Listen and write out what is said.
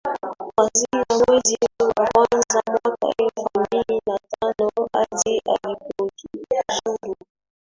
kuanzia mwezi wa kwanza mwaka elfu mbili na tano hadi alipojiuzulu